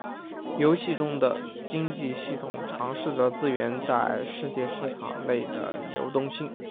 游戏中的经济系统尝试着资源在世界市场内的流动性。